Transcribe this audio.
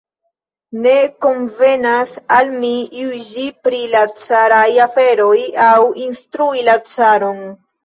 Ne konvenas al mi juĝi pri la caraj aferoj aŭ instrui la caron!